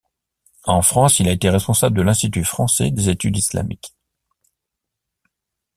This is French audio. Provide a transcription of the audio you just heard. En France, il a été responsable de l'Institut français des études islamiques.